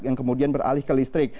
yang kemudian beralih ke listrik